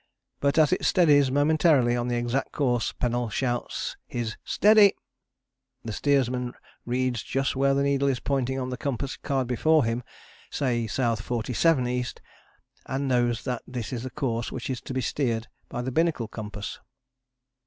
But as it steadies momentarily on the exact course Pennell shouts his "Steady," the steersman reads just where the needle is pointing on the compass card before him, say S. 47 E., and knows that this is the course which is to be steered by the binnacle compass.